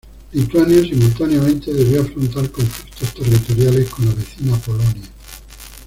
Lituania simultáneamente debió afrontar conflictos territoriales con la vecina Polonia.